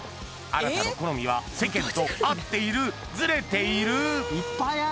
あなたの好みは世間と合っている？ずれている？